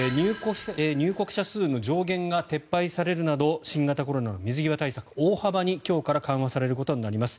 入国者数の上限が撤廃されるなど新型コロナの水際対策大幅に今日から緩和されることになります。